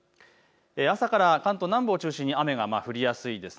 朝から関東南部を中心に雨が降りやすいです。